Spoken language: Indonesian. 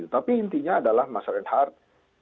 tapi intinya adalah mas red heart